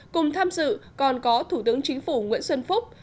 cùng tham dự còn có thủ tướng chính phủ nguyễn xuân phúc